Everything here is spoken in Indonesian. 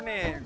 ini ada satu